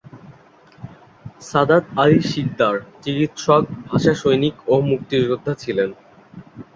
সাদত আলী সিকদার চিকিৎসক, ভাষা সৈনিক ও মুক্তিযোদ্ধা ছিলেন।